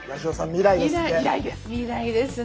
未来ですね。